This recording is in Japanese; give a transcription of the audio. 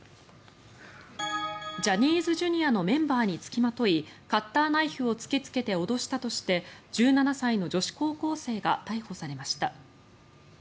ジャニーズＪｒ．のメンバーにつきまといカッターナイフを突きつけて脅したとして１７歳の女子高校生が逮捕されました。